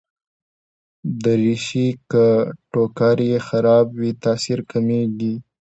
دریشي که ټوکر يې خراب وي، تاثیر کمېږي.